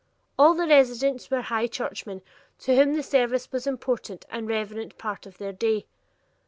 All the residents were High Churchmen to whom the service was an important and reverent part of the day.